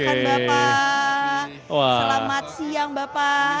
selamat siang bapak